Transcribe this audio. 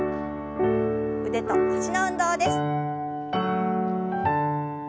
腕と脚の運動です。